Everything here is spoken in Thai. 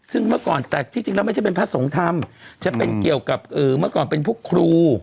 ซึ่งเมื่อก่อนแต่ที่จริงแล้วไม่ใช่เป็นพระสงฆ์ธรรมจะเป็นเกี่ยวกับเมื่อก่อนเป็นพวกครู